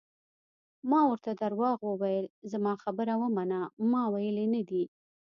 ما ورته درواغ وویل: زما خبره ومنه، ما ویلي نه دي.